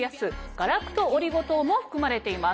ガラクトオリゴ糖も含まれています。